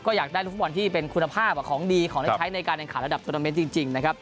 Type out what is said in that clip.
ก็อยากได้ลูกฟุตบอลที่เป็นคุณภาพของดีของได้ใช้ในการแข่งขันระดับโทรนาเมนต์จริงนะครับ